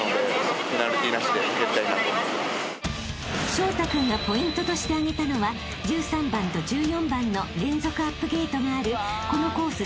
［彰太君がポイントとして挙げたのは１３番と１４番の連続アップゲートがあるこのコース